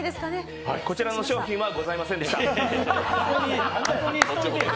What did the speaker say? こちらの商品はございませんでした。